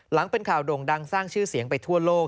เป็นข่าวโด่งดังสร้างชื่อเสียงไปทั่วโลก